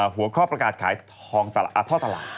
หัวข้อประกาศขายทองท่อตลาด